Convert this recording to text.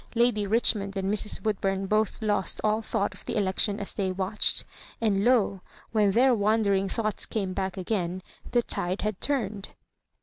Lady Richmond and Mrs. Woodbum both lost all thought of the election as they watched ; and lo I when theii wandering thoughts came back again, the tide had turned.